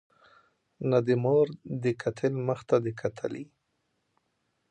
نه دي مور د قاتل مخ ته دي کتلي